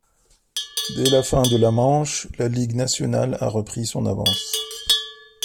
Dès la fin de la manche, la Ligue nationale a repris son avance.